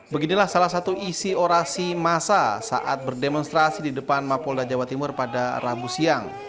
beginilah salah satu isi orasi massa saat berdemonstrasi di depan mapolda jawa timur pada rabu siang